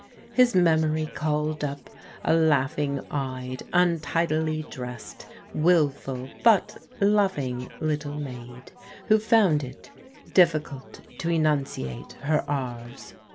His memory called up a laughing eyed, untidily dressed, wilful, but loving little maid, who found it difficult to enunciate her r's.